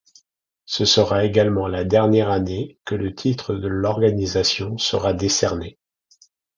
Ce sera également la dernière année que le titre de l'organisation sera décerné.